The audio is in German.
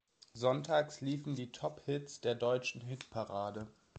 Sonntags liefen die Tophits der deutschen Hitparade.